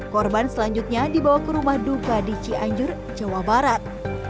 korban selanjutnya dibawa ke rumah duka di cianjur jawa barat